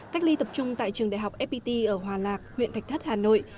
cách ly tập trung tại trường đại học fpt ở hòa lạc huyện thạch thất hà nội